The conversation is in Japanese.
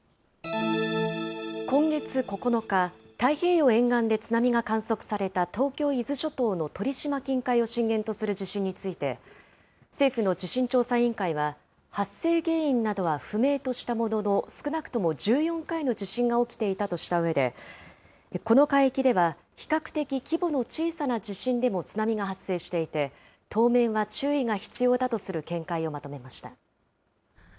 今月９日、太平洋沿岸で津波が観測された、東京・伊豆諸島の鳥島近海を震源とする地震について、政府の地震調査委員会は、発生原因などは不明としたものの、少なくとも１４回の地震が起きていたとしたうえで、この海域では、比較的規模の小さな地震でも津波が発生していて、当面は注意が必要だとする見解をまとめました。